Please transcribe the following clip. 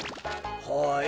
はい。